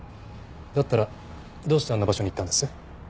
だったらどうしてあんな場所に行ったんです？